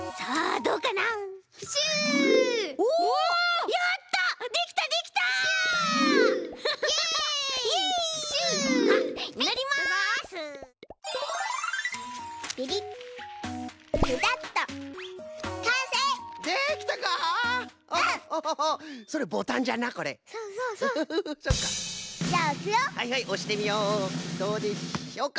どうでしょうか？